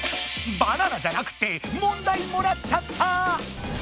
バナナじゃなくて問題もらっちゃった！